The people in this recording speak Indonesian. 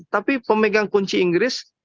tapi pemegang kunci inggris